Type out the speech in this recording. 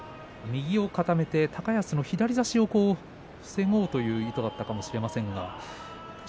右を固めて高安の左差しを防ごうという意図だったのかもしれません。